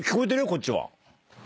こっちは。